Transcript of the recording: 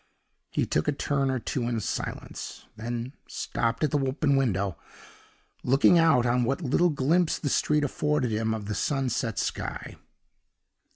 He took a turn or two in silence then stopped at the open window, looking out on what little glimpse the street afforded him of the sunset sky.